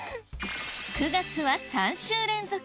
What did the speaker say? ９月は３週連続